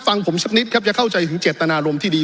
ฟังผมสักนิดครับจะเข้าใจถึงเจตนารมณ์ที่ดี